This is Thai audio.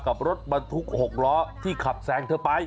กับรถบรรทุก๖ล้อที่ขับแซงเธอไป